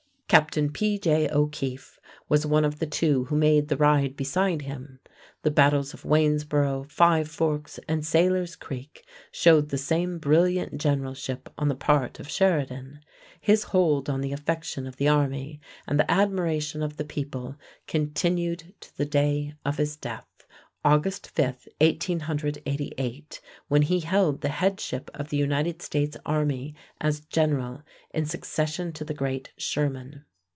Captain P.J. O'Keefe was one of the two who made the ride beside him. The battles of Waynesboro, Five Forks, and Sailor's Creek showed the same brilliant generalship on the part of Sheridan. His hold on the affection of the army and the admiration of the people continued to the day of his death, August 5, 1888, when he held the headship of the United States army as general in succession to the great Sherman.